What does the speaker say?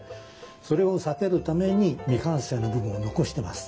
それを避けるために未完成の部分を残してます。